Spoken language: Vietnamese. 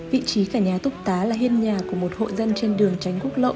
vị trí cả nhà túc tá là hiên nhà của một hộ dân trên đường tránh quốc lộ